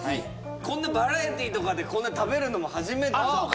こんなバラエティーとかで食べるのも初めてですもんね